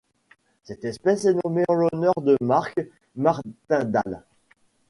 Cette espèce est nommée en l'honneur de Mark Martindale.